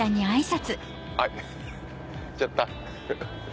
あっ行っちゃった。